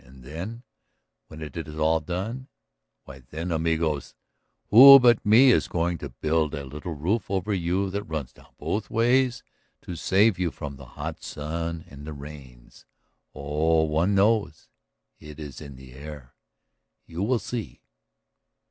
And then, when it is all done ... Why then, amigos, who but me is going to build a little roof over you that runs down both ways, to save you from the hot sun and the rains? ... Oh, one knows. It is in the air. You will see!"